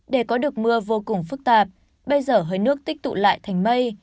để có được mưa vô cùng phức tạp bây giờ hơi nước tích tụ lại thành mây